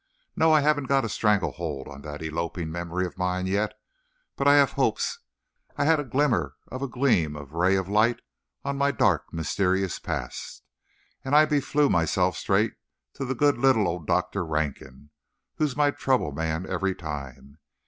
No, I haven't got a strangle hold on that eloping memory of mine yet, but I 'ave 'opes. I've had a glimmer of a gleam of a ray of light on my dark, mysterious past, and I beflew myself straight to good little old Doctor Rankin, who's my Trouble Man every time.